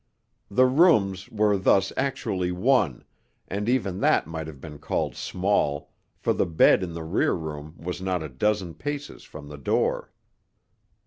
The rooms were thus actually one, and even that might have been called small, for the bed in the rear room was not a dozen paces from the door.